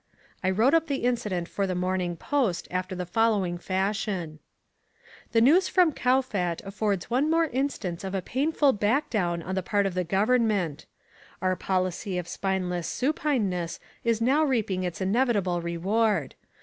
I wrote up the incident for the Morning Post after the following fashion: "The news from Kowfat affords one more instance of a painful back down on the part of the Government. Our policy of spineless supineness is now reaping its inevitable reward.